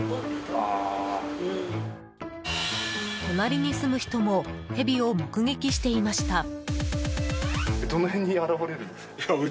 隣に住む人もヘビを目撃していました。